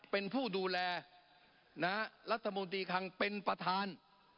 เป็นผู้ดูแลรัฐมนตรีคังเป็นประธาน